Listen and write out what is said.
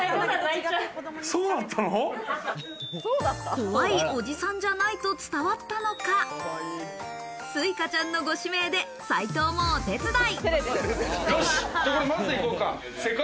怖いおじさんじゃないと伝わったのか、すいかちゃんのご指名で斉藤もお手伝い。